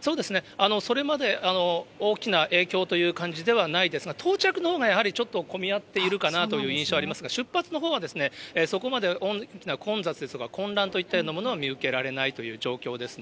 そうですね、それまで大きな影響という感じはないですが、到着のほうがやはりちょっと混み合っているかなという印象ありますが、出発のほうはそこまで大きな混雑ですとか混乱といったようなものは見受けられないといった状況ですね。